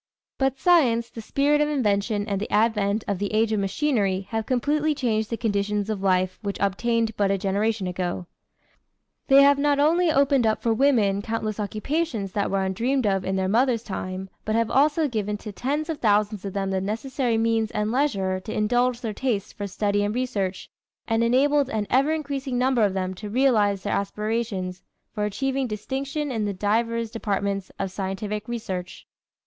But science, the spirit of invention and the advent of the age of machinery have completely changed the conditions of life which obtained but a generation ago. They have not only opened up for women countless occupations that were undreamed of in their mother's time, but have also given to tens of thousands of them the necessary means and leisure to indulge their tastes for study and research and enabled an ever increasing number of them to realize their aspirations for achieving distinction in the divers departments of scientific research.